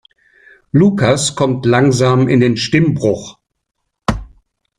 Lukas kommt langsam in den Stimmbruch.